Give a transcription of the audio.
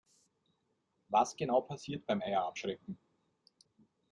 Was genau passiert beim Eier abschrecken?